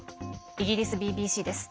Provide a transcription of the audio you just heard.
イギリスＢＢＣです。